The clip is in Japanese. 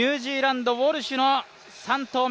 ニュージーランド、ウォルシュの３投目。